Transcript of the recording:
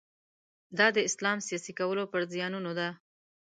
دا د اسلام سیاسي کولو پر زیانونو ده.